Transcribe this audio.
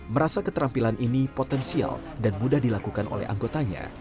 merasa keterampilan ini potensial dan mudah dilakukan oleh anggotanya